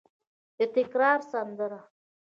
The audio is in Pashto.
د تکرار سندره